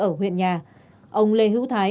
ở huyện nhà ông lê hữu thái